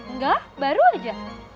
enggak baru aja